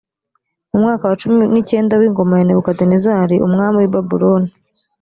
mu mwaka wa cumi n’icyenda w ingoma ya nebukadinezari umwami w’i babuloni